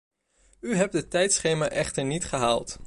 U hebt het tijdschema echter niet gehaald.